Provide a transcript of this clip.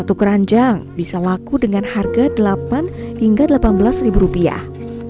satu keranjang bisa laku dengan harga delapan hingga delapan belas ribu rupiah